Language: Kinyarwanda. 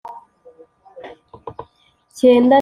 cyenda n eshanu cm z uburebure